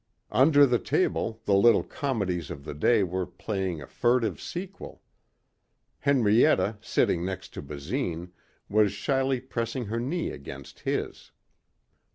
Under the table the little comedies of the day were playing a furtive sequel. Henrietta sitting next to Basine was shyly pressing her knee against his.